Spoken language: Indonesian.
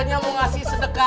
kamu mau kemana